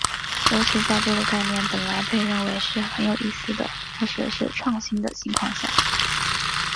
尤其在这个概念本来被认为是很有意思的或是创新的情况下。